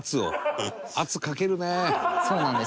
そうなんです。